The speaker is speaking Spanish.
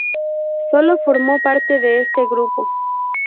Solo formó parte de este grupo.